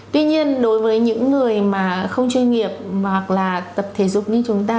tuy nhiên đối với những người mà không chuyên nghiệp hoặc là tập thể dục như chúng ta